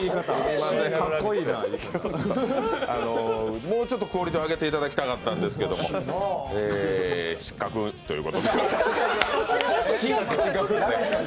もうちょっとクオリティー、上げていただきたかったんですけど失格ということで。